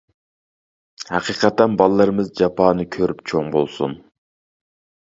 ھەقىقەتەن بالىلىرىمىز جاپانى كۆرۈپ چوڭ بولسۇن.